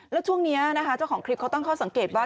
แล้วช่วงนี้นะคะเจ้าของคลิปเขาตั้งข้อสังเกตว่า